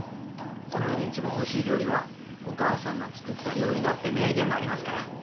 この世で一番おいしい料理はお母さんが作った料理だって名言もありますから。